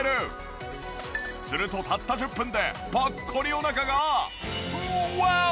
するとたった１０分でぽっこりお腹がワオ！